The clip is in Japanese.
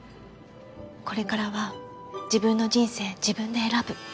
これからは自分の人生自分で選ぶ。